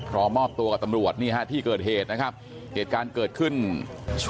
รอมอบตัวกับตำรวจที่เกิดเหตุนะครับเหตุการณ์เกิดขึ้นช่วงเย็นเมื่อวานนี้นะครับ